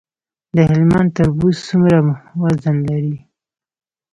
د هلمند تربوز څومره وزن لري؟